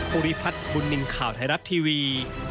ภูริพัฒน์บุญนินทร์ข่าวไทยรัฐทีวี